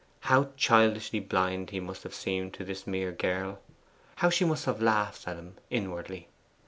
How childishly blind he must have seemed to this mere girl! How she must have laughed at him inwardly!